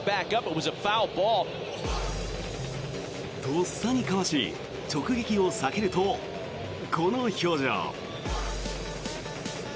とっさにかわし直撃を避けるとこの表情。